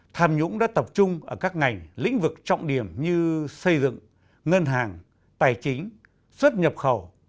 tham nhũng đã tập trung ở các ngành lĩnh vực trọng điểm như xây dựng ngân hàng tài chính xuất nhập khẩu